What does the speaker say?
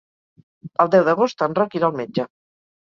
El deu d'agost en Roc irà al metge.